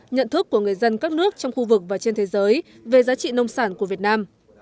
nhận thức của người dân các nước trong khu vực và trên thế giới về giá trị nông sản của việt nam